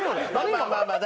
まあまあまあまあ。